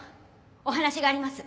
お話があります。